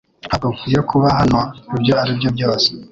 Ntabwo nkwiye kuba hano ibyo ari byo byose